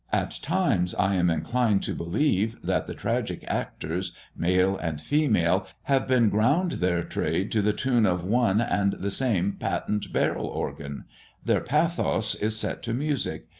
At times I am inclined to believe, that the tragic actors, male and female, have been ground their trade to the tune of one and the same patent barrel organ. Their pathos is set to music.